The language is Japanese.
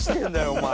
お前。